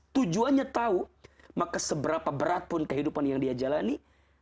tujuannya tahu maka seberapa beratpun kehidupan yang dia jalani